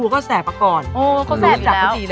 น้อง